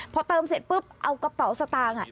พอเติมเสร็จปุ๊บเอากระเป๋าสตางค์